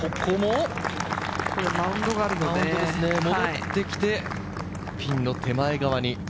戻ってきてピンの手前側に。